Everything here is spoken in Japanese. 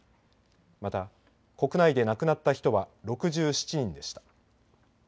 また、国内で亡くなった人は６７人でした。